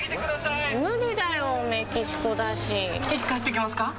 いつ帰ってきますか？